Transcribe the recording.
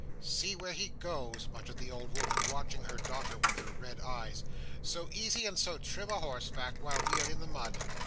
"See where he goes!" muttered the old woman, watching her daughter with her red eyes; "so easy and so trim a horseback, while we are in the mud."